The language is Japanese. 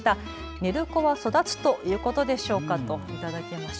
寝る子は育つということでしょうかと頂きました。